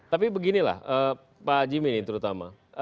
tapi beginilah pak jimmy ini terutama